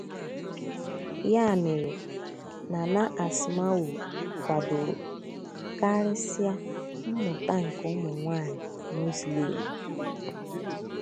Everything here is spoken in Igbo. Ya mere, Nana Asma'u kwadoro, karịsịa, mmụta nke ụmụ nwanyị Muslim.